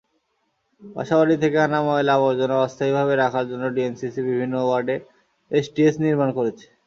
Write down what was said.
বাসাবাড়ি থেকে আনা ময়লা-আবর্জনা অস্থায়ীভাবে রাখার জন্য ডিএনসিসি বিভিন্ন ওয়ার্ডে এসটিএস নির্মাণ করেছে।